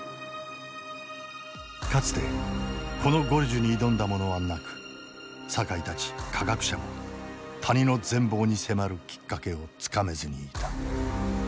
かつてこのゴルジュに挑んだ者はなく酒井たち科学者も谷の全貌に迫るきっかけをつかめずにいた。